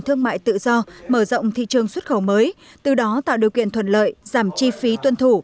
thương mại tự do mở rộng thị trường xuất khẩu mới từ đó tạo điều kiện thuận lợi giảm chi phí tuân thủ